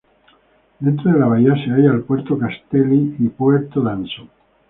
Dentro de la bahía se halla el Puerto Castelli y el Puerto Danson.